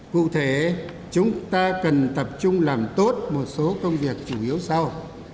cụ thể chúng ta cần tập trung làm tốt một số công việc chủ yếu sau